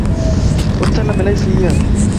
اوٿلم الائي سيَ